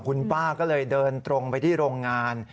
คุณป้าก็เลยเดินตรงไปที่โรงงาน